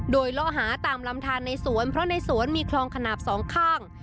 โดยล้อหาตามลำทานในสวนเพราะในสวนมีคลองขนาดสองข้าง